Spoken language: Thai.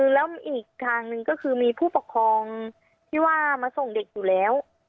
แล้วอีกทางหนึ่งก็คือมีผู้ปกครองที่ว่ามาส่งเด็กอยู่แล้ว